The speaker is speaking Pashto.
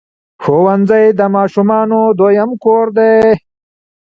ښوونځي د ماشومانو دویم کور دی.